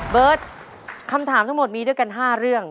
เบิร์ตคำถามทั้งหมดมีด้วยกัน๕เรื่อง